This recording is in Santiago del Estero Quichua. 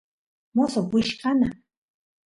mosoq wichkana